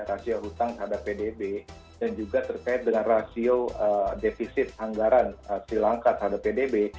rasio hutang terhadap pdb dan juga terkait dengan rasio defisit anggaran sri lanka terhadap pdb